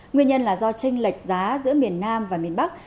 nguyên nhân là do tranh lệch giá giữa miền nam và miền bắc